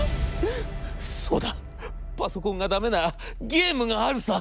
そうだパソコンが駄目ならゲームがあるさ』。